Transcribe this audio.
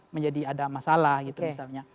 menjadi ada masalah gitu misalnya